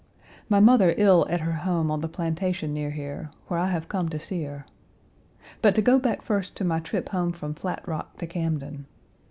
My mother ill at her home on the plantation near here where I have come to see her. But to go back first to my trip home from Flat Rock to Camden.